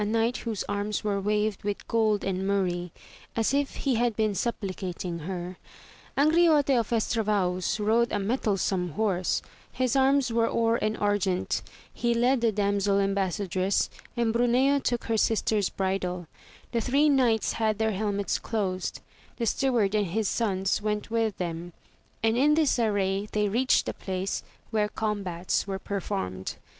35 knight whose arms were waved with gold and murrey, as if he had been supplicating her. Angriote of Estravaus rode a mettlesome horse, his arms were or and argent, he led the damsel embassadress, and Bruneo took her sister's bridle ; the three knights had their helmets closed, the steward and his sons went with them, and in this array they reached the place where combats were performed.